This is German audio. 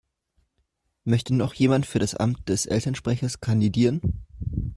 Möchte noch jemand für das Amt des Elternsprechers kandidieren?